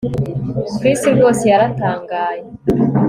Chris rwose yaratangaye